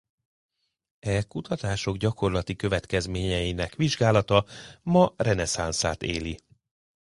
E kutatások gyakorlati következményeinek vizsgálata ma reneszánszát éli.